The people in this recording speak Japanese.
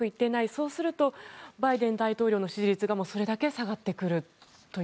そうするとバイデン大統領の支持率がそれだけ下がってくると。